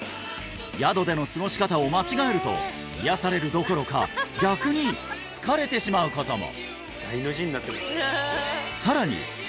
宿での過ごし方を間違えると癒やされるどころか逆に疲れてしまうことも！